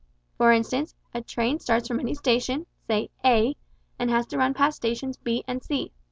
For instance, a train starts from any station, say A, and has to run past stations B and C.